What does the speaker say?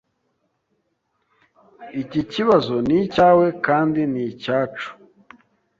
Iki kibazo ni icyawe kandi ni icyacu.